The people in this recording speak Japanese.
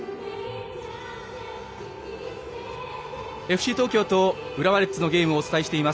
ＦＣ東京と浦和レッズのゲームをお伝えしています。